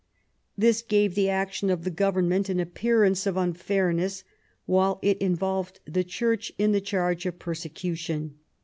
This gave the action of the government an appearance of unfairness, while it involved the Church in the charge of persecution.